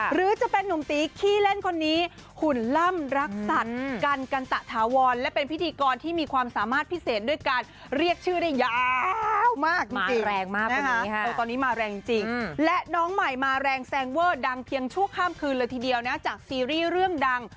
หรือจะเป็นนุ่มตีขี้เล่นคนนี้หุ่นล่ำรักสัตว์กันกันตะถาวรและเป็นพิธีกรที่มีความสามารถพิเศษด้วยการเรียกชื่อได้ยาวมากจริงแรงมากนะคะตอนนี้มาแรงจริงและน้องใหม่มาแรงแซงเวอร์ดังเพียงชั่วข้ามคืนเลยทีเดียวนะจากซีรีส์เรื่องดัง